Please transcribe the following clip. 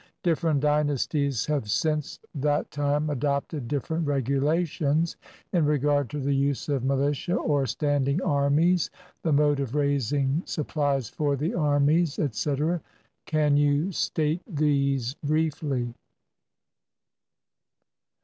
Different dynasties have since that time adopted different regulations in regard to the use of militia or standing armies, the mode of raising sup plies for the army, etc. Can you state these briefly?